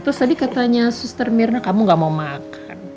terus tadi katanya suster mirna kamu gak mau makan